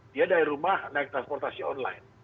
dia dari rumah naik transportasi online